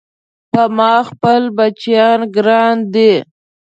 په ما خپل بچيان ګران دي